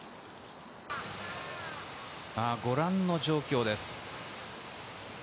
ご覧の状況です。